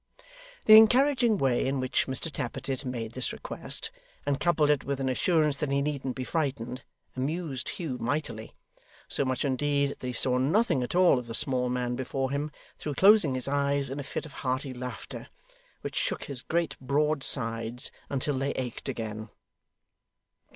The encouraging way in which Mr Tappertit made this request, and coupled it with an assurance that he needn't be frightened, amused Hugh mightily so much indeed, that he saw nothing at all of the small man before him, through closing his eyes in a fit of hearty laughter, which shook his great broad sides until they ached again.